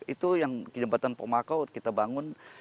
itu yang jembatan pemakau kita bangun